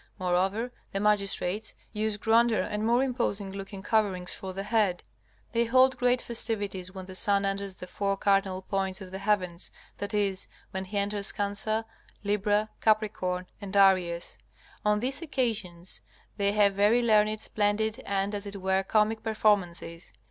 Moreover, the magistrates use grander and more imposing looking coverings for the head. They hold great festivities when the sun enters the four cardinal points of the heavens, that is, when he enters Cancer, Libra, Capricorn, and Aries. On these occasions they have very learned, splendid, and, as it were, comic performances.